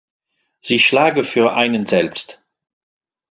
Sie schlage für einen selbst.